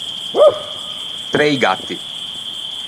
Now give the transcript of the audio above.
Trei gatti.